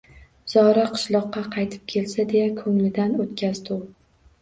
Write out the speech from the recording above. Zora qishloqqa qaytib kelsa, deya ko‘nglidan o‘tkazdi u